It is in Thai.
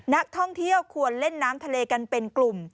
นักท่องเที่ยวควรเล่นน้ำทะเลกันเป็นกลุ่ม